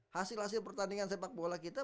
hasil hasil pertandingan sepak bola kita